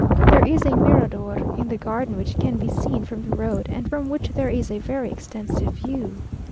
There is a mirador in the garden which can be seen from the road, and from which there is a very extensive view.